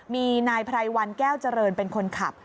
มีนายไพรวันแก้วเจริญเป็นคนขับ